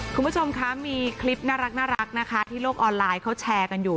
คุณผู้ชมคะมีคลิปน่ารักนะคะที่โลกออนไลน์เขาแชร์กันอยู่